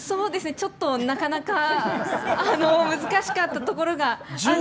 ちょっと、なかなか難しかったところが。